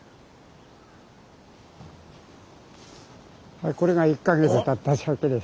はいこれが１か月たったシャケです。